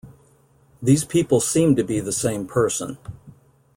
These people seem to be the same person.